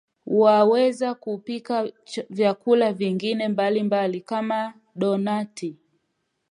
Waweza kupika vyakula vingine mbalimbali kama donati